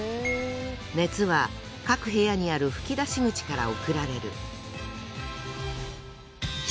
熱は各部屋にある吹き出し口から送られる。